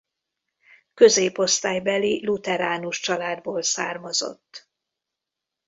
Középosztálybeli lutheránus családból származott.